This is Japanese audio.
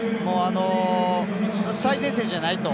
最前線じゃないと。